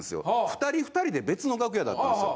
２人２人で別の楽屋だったんですよ。